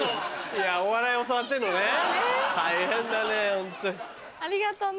いやお笑い教わってんのね大変だねホント。ありがとね。